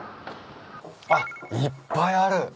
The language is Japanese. あっいっぱいある。